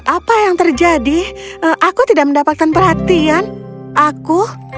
apa yang terjadi aku tidak mendapatkan perhatian aku